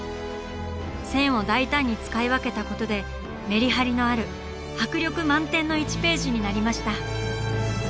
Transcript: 線を大胆に使い分けたことでメリハリのある迫力満点の１ページになりました。